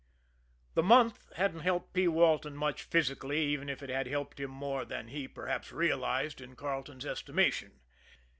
The month hadn't helped P. Walton much physically, even if it had helped him more than he, perhaps, realized in Carleton's estimation.